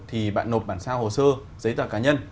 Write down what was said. thì bạn nộp bản sao hồ sơ giấy tờ cá nhân